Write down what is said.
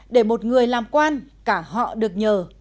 để một người làm quan cả họ được nhờ